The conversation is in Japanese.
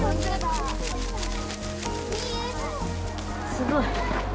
すごい。